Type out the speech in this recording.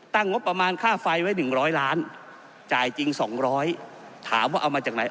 งบประมาณค่าไฟไว้๑๐๐ล้านจ่ายจริง๒๐๐ถามว่าเอามาจากไหน